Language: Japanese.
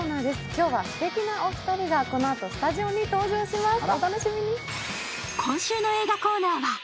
今日はすてきなお二人がこのあとスタジオに登場します。